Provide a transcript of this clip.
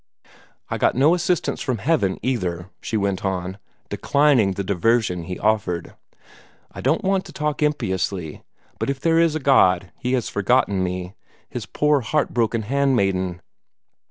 "I got no assistance from Heaven either," she went on, declining the diversion he offered. "I don't want to talk impiously, but if there is a God, he has forgotten me, his poor heart broken hand maiden."